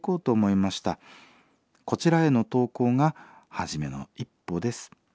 こちらへの投稿が初めの一歩です」。